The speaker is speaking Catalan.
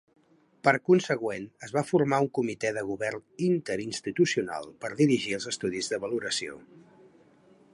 Per consegüent, es va formar un comitè de govern interinstitucional per dirigir els estudis de valoració.